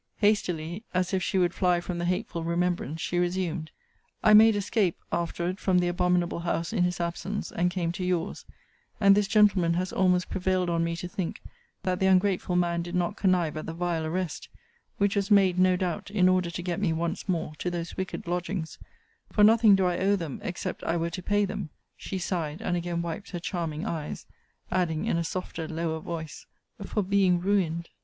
Hastily, as if she would fly from the hateful remembrance, she resumed: 'I made escape afterward from the abominable house in his absence, and came to your's: and this gentleman has almost prevailed on me to think, that the ungrateful man did not connive at the vile arrest: which was made, no doubt, in order to get me once more to those wicked lodgings: for nothing do I owe them, except I were to pay them' [she sighed, and again wiped her charming eyes adding in a softer, lower voice] 'for being ruined.'